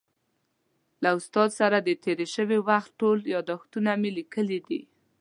له استاد سره د تېر شوي وخت ټول یادښتونه مې لیکلي دي.